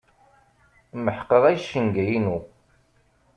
Meḥqeɣ icenga-inu.